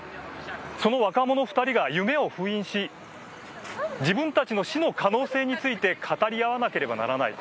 その若者２人が夢を封印し自分たちの死の可能性について語り合わなければならない。